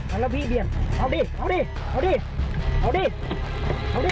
เอาละพี่เบียนเอาดี